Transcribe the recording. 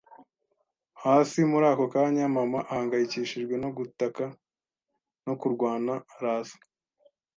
hasi. Muri ako kanya, mama, ahangayikishijwe no gutaka no kurwana, araza